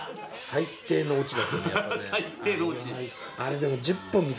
最低のオチ。